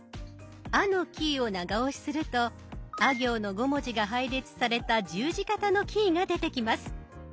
「あ」のキーを長押しするとあ行の５文字が配列された十字形のキーが出てきます。